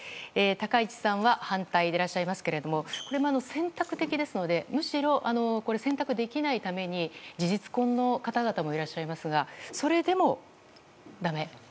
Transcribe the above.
高市さんは反対ですが選択的ですのでむしろこれ、選択できないために事実婚の方々もいらっしゃいますがそれでもだめ？